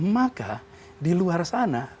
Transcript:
maka di luar sana